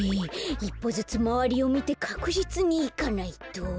いっぽずつまわりをみてかくじつにいかないと。